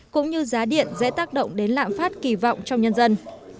cũng như giá điện dễ tác động đến lạm phát kỳ vọng trong nhân dân